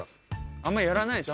あんまりやらないでしょ？